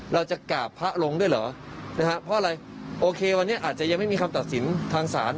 เราจะกราบพระลงด้วยเหรอนะฮะเพราะอะไรโอเควันนี้อาจจะยังไม่มีคำตัดสินทางศาล